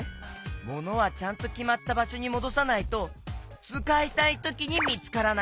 ものはちゃんときまったばしょにもどさないとつかいたいときにみつからない。